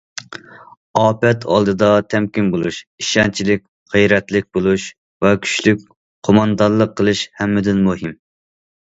ئاپەت ئالدىدا تەمكىن بولۇش، ئىشەنچلىك، غەيرەتلىك بولۇش ۋە كۈچلۈك قوماندانلىق قىلىش ھەممىدىن مۇھىم.